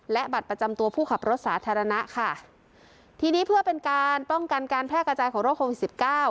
และบัตรประจำตัวผู้ขับรถสาธารณะค่ะทีนี้เพื่อเป็นการป้องกันการแพร่กระจายของโรคโควิดสิบเก้า